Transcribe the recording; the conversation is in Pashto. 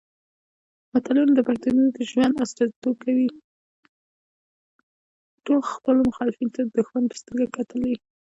ټولو خپلو مخالفینو ته د دوښمن په سترګه کتلي.